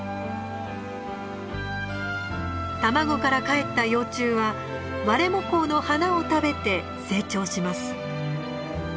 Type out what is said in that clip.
卵からかえった幼虫はワレモコウの花を食べて成長します。